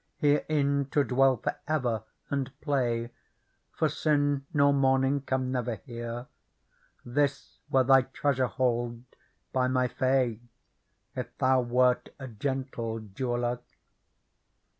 Herein to dwell for ever and play ; For sin nor mourning come never here ; This were thy treasure hold, by my fay, If thou wert a gentle jeweller.